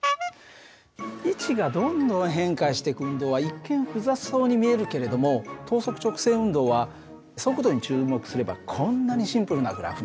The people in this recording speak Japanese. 位置がどんどん変化していく運動は一見複雑そうに見えるけれども等速直線運動は速度に注目すればこんなにシンプルなグラフになるんだよ。